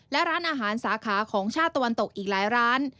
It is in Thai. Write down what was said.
และร้านอาหารสาขาของชาติตะวันตกอีกหลายร้าน